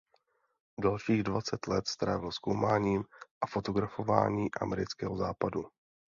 Dalších dvacet let strávil zkoumáním a fotografování amerického západu.